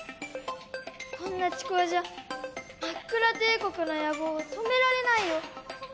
こんなちくわじゃマックラ帝国の野望を止められないよ。